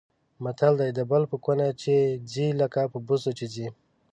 متل دی: د بل په کونه چې ځي لکه په بوسو چې ځي.